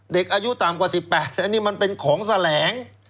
เด็กอายุต่ำกว่า๑๘อันนี้มันเป็นของแสลง